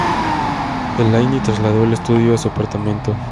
Elaine trasladó el estudio a su apartamento.